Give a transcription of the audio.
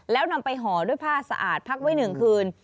แล้วนำไปห่อด้วยผ้าสะอาดพักไว้๑คืน